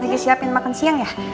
lagi siapin makan siang ya